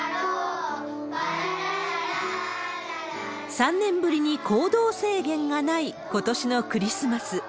３年ぶりに行動制限がないことしのクリスマス。